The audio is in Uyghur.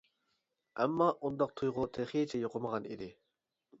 ئەمما ئۇنداق تۇيغۇ تېخىچە يوقىمىغان ئىدى.